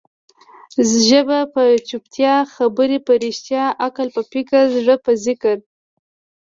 ژبه په چوپتيا، خبري په رښتیا، عقل په فکر، زړه په ذکر.